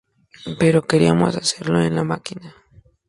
Pero queríamos hacerlo en la máquina.